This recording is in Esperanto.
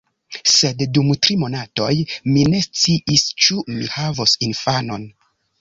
Sed dum tri monatoj mi ne sciis, ĉu mi havos infanon.